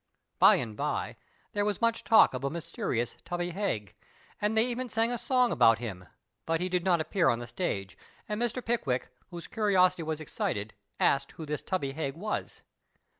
47 PASTICHE AND PREJUDICE By and by there was much talk of a mysterious Tubby Haifj, and tlicy even sang a song about him ; but he did not appear on the stage, and Mr. Pick wick, whose curiosity was excited, asked who this Tubby Haig was.